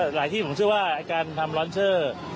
หลายที่ผมเชื่อว่าการทำร้อนเชอร์